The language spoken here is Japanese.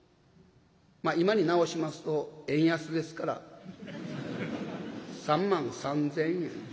まあ今になおしますと円安ですから３万３，０００円。